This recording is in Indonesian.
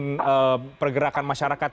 mungkin pergerakan masyarakat